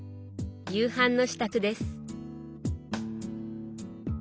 夕飯の支度です。